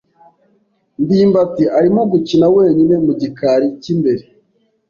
ndimbati arimo gukina wenyine mu gikari cy'imbere.